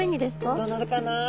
どうなるかな？